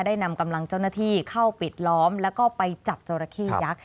นำกำลังเจ้าหน้าที่เข้าปิดล้อมแล้วก็ไปจับจราเข้ยักษ์